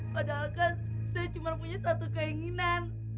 padahalkan saya cuma punya satu keinginan